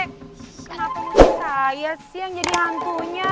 kenapa lu saya sih yang jadi hantunya